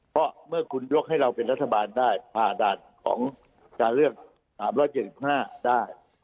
เพราะเมื่อคุณยกให้เราเป็นรัฐบาลได้ผ่าด่านของการเลือก๓๗๕ได้